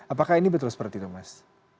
apakah ini betul seperti itu mas